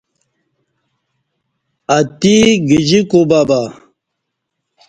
اتی گجی کوبہبہ